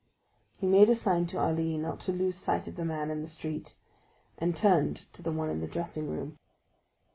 He made a sign to Ali not to lose sight of the man in the street, and turned to the one in the dressing room.